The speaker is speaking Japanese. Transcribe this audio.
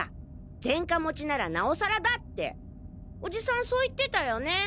前科持ちならなおさらだっておじさんそう言ってたよね？